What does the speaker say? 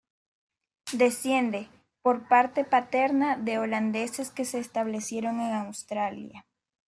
Desciende, por parte paterna, de holandeses que se establecieron en Australia.